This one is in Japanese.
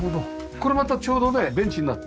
これまたちょうどねベンチになって。